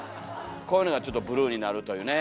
こういうのがちょっとブルーになるというね。